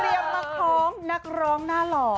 เตรียมประค้องนักร้องน่าหล่อ